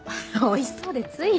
おいしそうでつい。